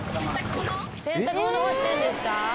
洗濯物干してるんですか？